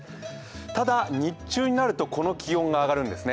ただ、日中になるとこの気温が上がるんですね。